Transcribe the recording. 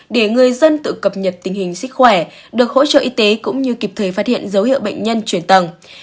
để người dân tự cập nhật tình hình sức khỏe được hỗ trợ y tế cũng như kịp thời phát hiện dấu hiệu bệnh nhân chuyển tầng